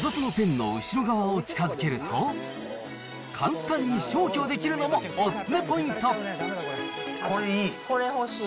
付属のペンの後ろ側を近づけると、簡単に消去できるのもお勧これいい。